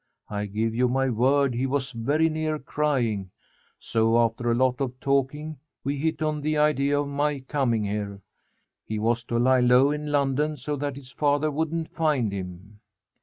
I give you my word he was very near crying, so, after a lot of talking, we hit on the idea of my coming here. He was to lie low in London so that his father wouldn't find him."